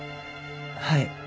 はい。